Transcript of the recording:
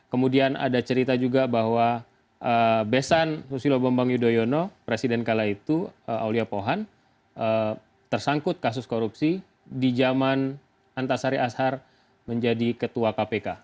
kemudian ada cerita juga bahwa besan susilo bambang yudhoyono presiden kala itu aulia pohan tersangkut kasus korupsi di zaman antasari ashar menjadi ketua kpk